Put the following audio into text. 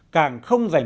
càng không dành